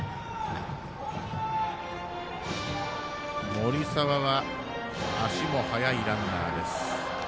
森澤は、足も速いランナーです。